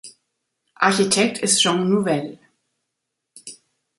Architekt ist Jean Nouvel.